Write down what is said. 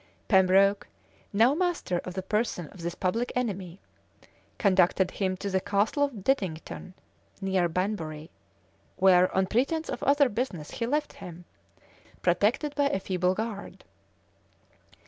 [] Pembroke, now master of the person of this public enemy, conducted him to the Castle of Dedington, near Banbury, where, on pretence of other business, he left him, protected by a feeble guard.